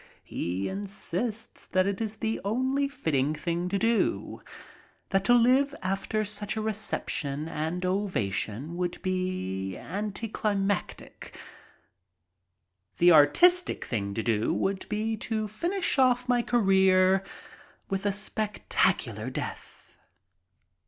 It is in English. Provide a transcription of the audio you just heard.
He insists that this is the only fitting thing to do, that to live after such a reception and ovation would be an anticlimax. The artistic thing to do would be to finish off my career with a spectacular death.